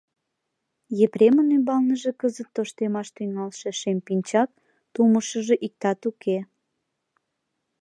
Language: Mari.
Епремын ӱмбалныже кызыт тоштемаш тӱҥалше шем пинчак, тумышыжо иктат уке.